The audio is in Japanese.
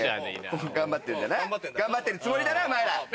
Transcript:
頑張ってるじゃない？頑張ってるつもりだろお前ら。